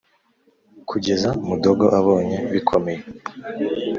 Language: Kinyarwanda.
kugeza mudogo abonye bikomeye